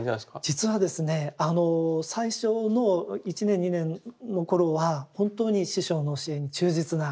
実はですね最初の１年２年の頃は本当に師匠の教えに忠実な優等生だったんです。